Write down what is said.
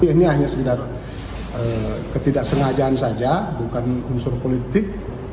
ini hanya sekedar ketidaksengajaan saja bukan unsur politik